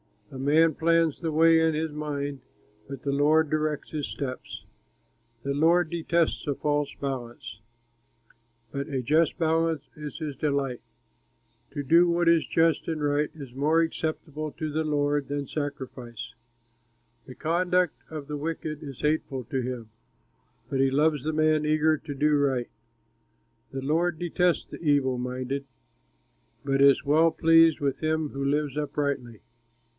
A man plans the way in his mind, But the Lord directs his steps. The Lord detests a false balance, But a just balance is his delight. To do what is just and right Is more acceptable to the Lord than sacrifice. The conduct of the wicked is hateful to him, But he loves the man eager to do right. The Lord detests the evil minded, But is well pleased with him who lives uprightly.